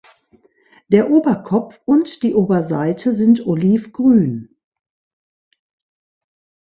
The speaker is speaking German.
Der Oberkopf und die Oberseite sind olivgrün.